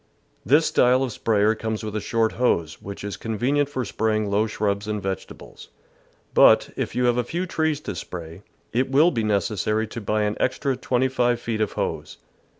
This style of sprayer comes with a short hose, which is convenient for spraying low shrubs and vegetables ; but, if you have a few trees to spray, it will be necessary to buy an extra twenty five feet of hose.